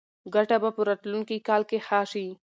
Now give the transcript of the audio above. ګټه به په راتلونکي کال کې ښه شي.